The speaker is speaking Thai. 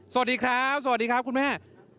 สวัสดีครับสวัสดีครับคุณแม่